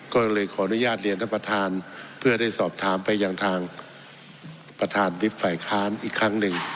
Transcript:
ก็เลยขออนุญาตเรียนท่านประธานเพื่อได้สอบถามไปยังทางประธานวิบฝ่ายค้านอีกครั้งหนึ่ง